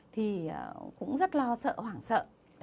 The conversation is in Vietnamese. thì cũng rất lo sợ hoảng sợ